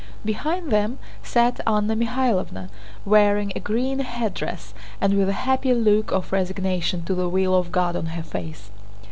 Behind them sat Anna Mikháylovna wearing a green headdress and with a happy look of resignation to the will of God on her face.